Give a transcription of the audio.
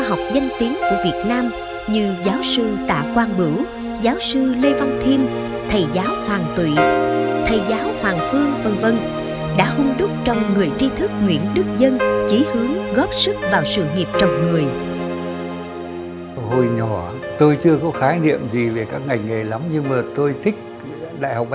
ông giáo sư tiến sĩ nhà giáo ưu tú nguyễn đức dân